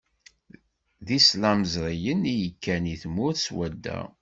D islamẓriyen i yekkan i tmurt swadda.